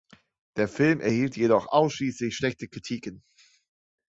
Der Film erhielt jedoch ausschließlich schlechte Kritiken.